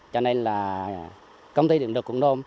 cho nên là công ty điện lực quảng nam